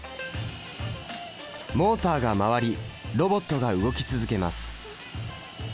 モータが回りロボットが動き続けます。